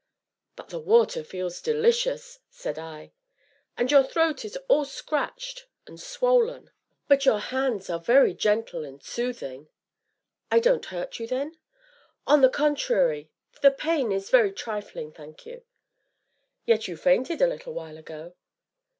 "But the water feels delicious!" said I. "And your throat is all scratched and swollen!" "But your hands are very gentle and soothing!" "I don't hurt you, then?" "On the contrary, the the pain is very trifling, thank you." "Yet you fainted a little while ago."